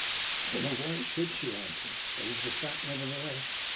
"I do not know why it should," she answered, "but it is a fact, nevertheless.